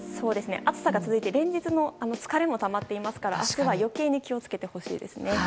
暑さが続いて連日の疲れもたまっていますから明日は余計に気を付けてほしいですね。